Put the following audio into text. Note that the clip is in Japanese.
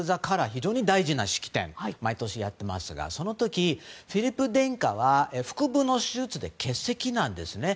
非常に大事な式典毎年やっていますがその時、フィリップ殿下は腹部の手術で欠席なんですね。